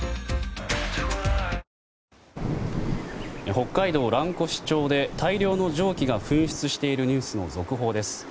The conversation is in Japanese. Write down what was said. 北海道蘭越町で大量の蒸気が噴出しているニュースの続報です。